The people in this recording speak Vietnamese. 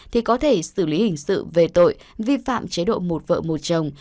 thì có thể xử lý hình sự về tội vi phạm chế độ một vợ một chồng